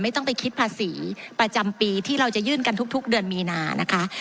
ต้องไปคิดภาษีประจำปีที่เราจะยื่นกันทุกเดือนมีนานะคะ